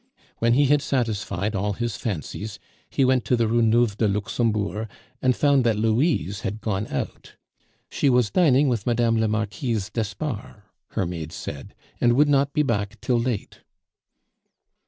When he had satisfied all his fancies, he went to the Rue Neuve de Luxembourg, and found that Louise had gone out. "She was dining with Mme. la Marquise d'Espard," her maid said, "and would not be back till late."